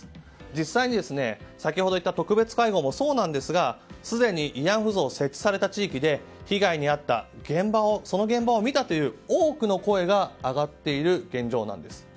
実際に、先ほど言った特別会合もそうなんですがすでに慰安婦像が設置された地域でその被害の現場を見たという多くの声が上がっている現状なんです。